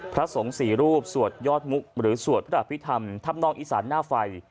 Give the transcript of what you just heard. พระสงฆ์สี่รูปสวดยอดมุกหรือสวดพระอภิษฐรรมทับนองอีสานหน้าไฟ